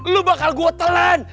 lu bakal gua telan